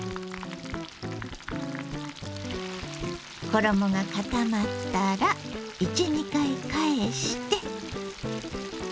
衣が固まったら１２回返して。